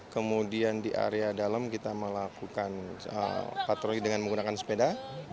kemudian di area dalam kita melakukan patroli dengan menggunakan sepeda